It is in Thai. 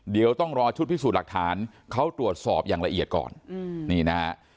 เดี๋ยวต้องรอชุดพิสูจน์หลักฐานเขาตรวจสอบอย่างละเอียดก่อนนี่นะฮะ